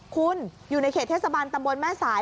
คุณอยู่ในเขตเทศบาลตำบลแม่สาย